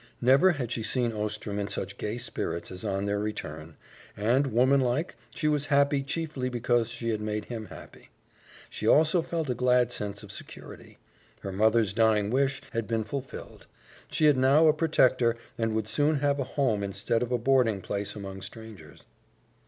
Never had she seen Ostrom in such gay spirits as on their return; and, woman like, she was happy chiefly because she had made him happy. She also felt a glad sense of security. Her mother's dying wish had been fulfilled; she had now a protector, and would soon have a home instead of a boarding place among strangers.